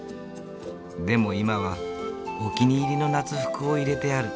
でも今はお気に入りの夏服を入れてある。